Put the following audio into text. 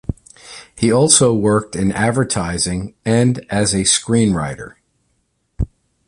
He also worked in advertising and as a screenwriter.